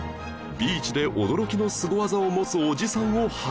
ビーチで驚きのスゴ技を持つおじさんを発見